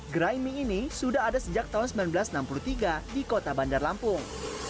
gerai mie ini sudah ada sejak tahun seribu sembilan ratus enam puluh tiga di kota bandar lampung